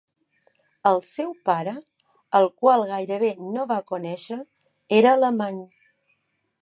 El seu pare, al qual gairebé no va conèixer, era alemany.